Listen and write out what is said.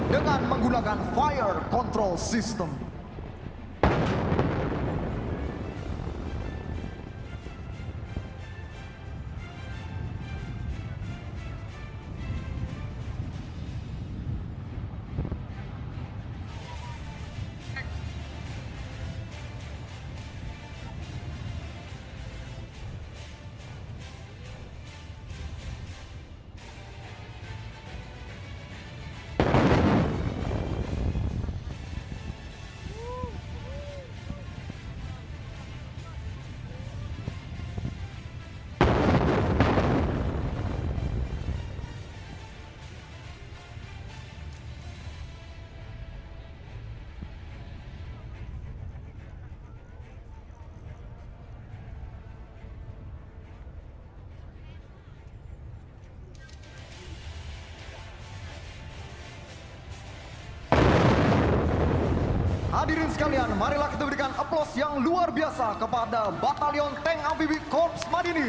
dengan menggunakan fire control system